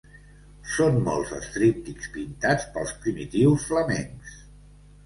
Són molts els tríptics pintats pels primitius flamencs.